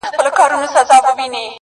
دا هيواد به آزاديږي -